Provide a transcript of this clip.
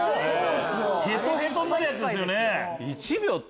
ヘトヘトになるやつですよね。